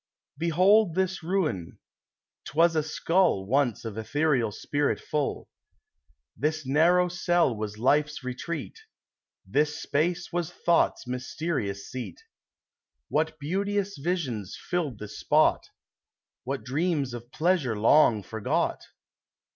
] Behold this ruin ! 'T was a skull Once of ethereal spirit full. This narrow cell was Life's retreat ; This space was Thought's mysterious seat. What beauteous visions filled this spot! What dreams of pleasure long forgot